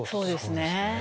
そうですね。